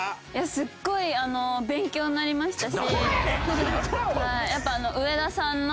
すごい勉強になりましたし。